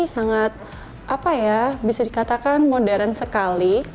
sangat apa ya bisa dikatakan modern sekali